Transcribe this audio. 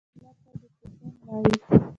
دې حالت ته Depreciation وایي.